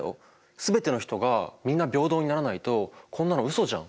全ての人がみんな平等にならないとこんなのうそじゃん。